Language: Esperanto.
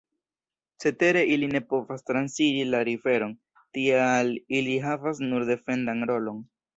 Cetere ili ne povas transiri la riveron; tial ili havas nur defendan rolon.